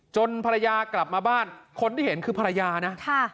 ภรรยากลับมาบ้านคนที่เห็นคือภรรยานะ